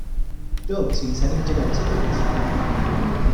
Don't eat any dinner tonight.